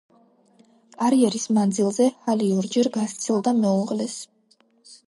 კარიერის მანძილზე ჰალი ორჯერ გასცილდა მეუღლეს.